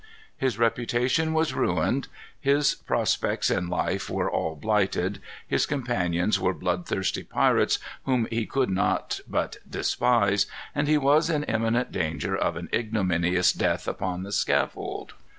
His reputation was ruined; his prospects in life were all blighted; his companions were bloodthirsty pirates, whom he could not but despise, and he was in imminent danger of an ignominious death upon the scaffold.